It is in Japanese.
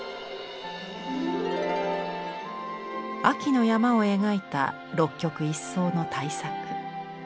秋の山を描いた六曲一双の大作。